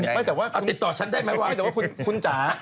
แต่ว่าติดต่อฉันได้ไหมวะ